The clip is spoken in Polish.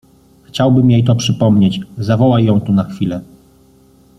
Chciałbym jej to przypomnieć… zawołaj ją tu na chwilę!